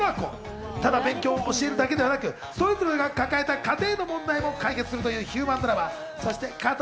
ただ勉強を教えるだけではなく、それぞれが抱えた家庭の問題も解決するというヒューマンドラマ。